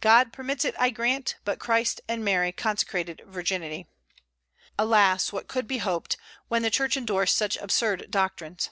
God permits it, I grant; but Christ and Mary consecrated virginity." Alas, what could be hoped when the Church endorsed such absurd doctrines!